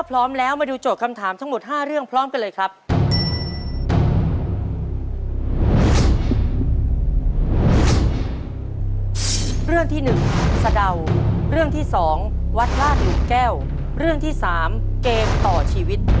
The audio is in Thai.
เราจะมีรีลันด้วยนะครับก็ได้ดูอีกค่ะ